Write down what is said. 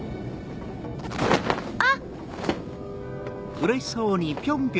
あっ！